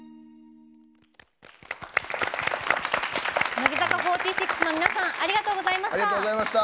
乃木坂４６の皆さんありがとうございました。